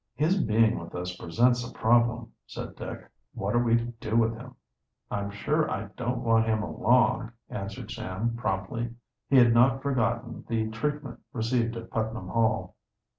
"His being with us presents a problem," said Dick. "What are we to do with him?" "I'm sure I don't want him along," answered Sam promptly. He had hot forgotten the treatment received at Putnam Hall.